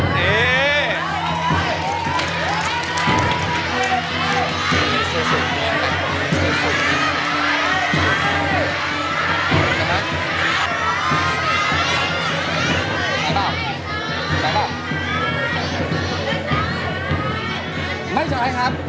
ไม่ใช่ครับ